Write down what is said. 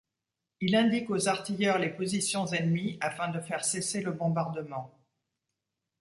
Il indique aux artilleurs les positions ennemies afin de faire cesser le bombardement.